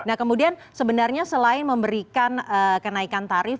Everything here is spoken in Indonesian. nah kemudian sebenarnya selain memberikan kenaikan tarif